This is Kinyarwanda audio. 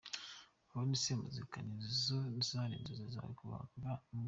Ubundi se muzika nizo zari inzozi zawe kuva mu bwana?.